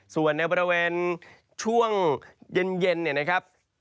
ส่วนในบริเวณช่วงเย็นเนี่ยนะครับ